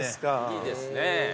いいですね。